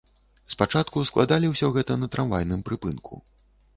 Спачатку складалі ўсё гэта на трамвайным прыпынку.